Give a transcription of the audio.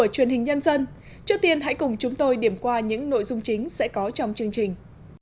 trước tiên hãy cùng chúng tôi điểm qua những nội dung chính sẽ có trong chương trình